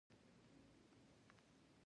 پر ساعت تېرۍ سربېره کیسې نورې ښیګڼې هم لري.